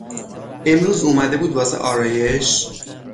امروز اومده بود واسه آرایش